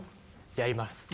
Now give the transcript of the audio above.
やります。